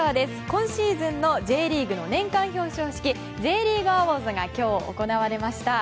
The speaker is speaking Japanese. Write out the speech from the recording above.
今シーズンのＪリーグの年間表彰式Ｊリーグアウォーズが今日、行われました。